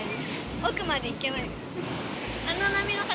奥まで行けない。